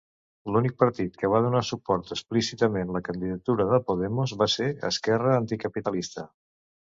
L'únic partit que va donar suport explícitament la candidatura de Podemos va ser Esquerra Anticapitalista.